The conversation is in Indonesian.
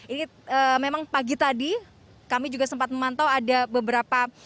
ini memang pagi tadi kami juga sempat memantau ada beberapa